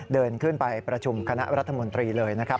เดินขึ้นไปประชุมคณะรัฐมนตรีเลยนะครับ